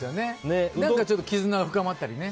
ちょっと絆が深まったりね。